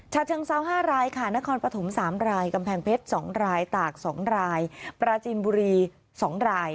เชิงเซา๕รายค่ะนครปฐม๓รายกำแพงเพชร๒รายตาก๒รายปราจีนบุรี๒ราย